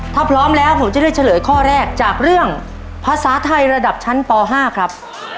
ถ้าพร้อมแล้วผมจะเลือกเฉลยข้อแรกจากเรื่องภาษาไทยระดับชั้นป๕ครับ